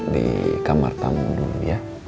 di kamar tamu dulu ya